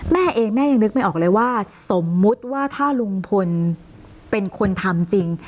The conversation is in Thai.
แม่เองแม่ยังนึกไม่ออกเลยว่าสมมุติว่าถ้าลุงพลเป็นคนทำจริง